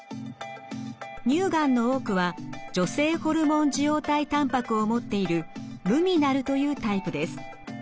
乳がんの多くは女性ホルモン受容体たんぱくを持っているルミナルというタイプです。